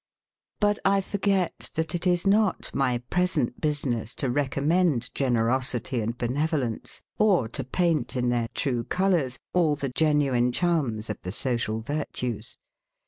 But I forget, that it is not my present business to recommend generosity and benevolence, or to paint, in their true colours, all the genuine charms of the social virtues.